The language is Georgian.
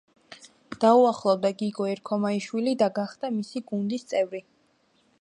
დაუახლოვდა გიგო ერქომაიშვილს და გახდა მისი გუნდის წევრი.